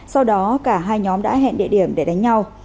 sau đó cả hai nhóm đã hẹn địa điểm để đánh nhau